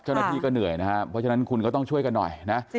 เช่นนั้นทีก็เหนื่อยนะครับเพราะจนก็ต้องช่วยกันหน่อยนะ